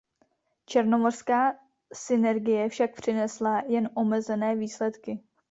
Černomořská synergie však přinesla jen omezené výsledky.